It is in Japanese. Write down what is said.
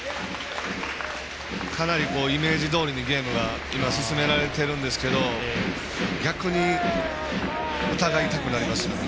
かなりイメージどおりにゲームが今進められているんですけど逆に、疑いたくなりますよね。